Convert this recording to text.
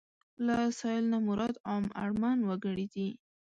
له سايل نه مراد عام اړمن وګړي دي.